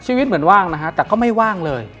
ชีวิตเหมือนว่างนะฮะแต่ก็ไม่ว่างเลย